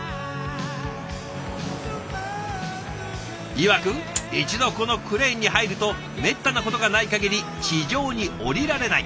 いわく一度このクレーンに入るとめったなことがないかぎり地上に降りられない。